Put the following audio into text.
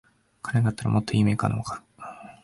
金があったらもっといいメーカーのを買う